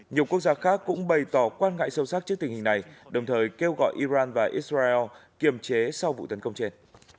nhiều quốc gia khác cũng bày tỏ quan ngại sâu sắc trước tình hình này đồng thời kêu gọi iran và israel kiềm chế sau vụ tấn công trên